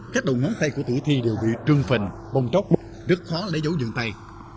các đồng ngón tay của tử thi đều bị trưng phình bông tróc rất khó lấy dấu dường tay